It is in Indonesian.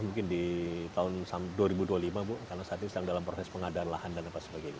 mungkin di tahun dua ribu dua puluh lima bu karena saat ini sedang dalam proses pengadaan lahan dan apa sebagainya